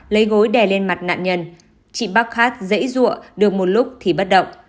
lấy gối đè lên mặt nạn nhân chị park hát dễ dụa được một lúc thì bắt động